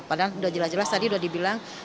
padahal sudah jelas jelas tadi udah dibilang